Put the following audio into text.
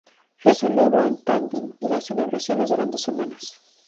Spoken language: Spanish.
Se celebra en Kandy y las celebraciones duran dos semanas.